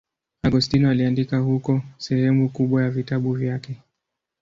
Agostino aliandika huko sehemu kubwa ya vitabu vyake.